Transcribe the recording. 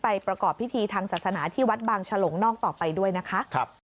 ประกอบพิธีทางศาสนาที่วัดบางฉลงนอกต่อไปด้วยนะคะ